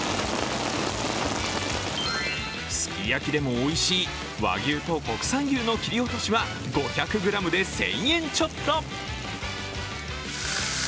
すき焼きでもおいしい和牛と国産牛の切り落としは５００ｇで１０００円ちょっと。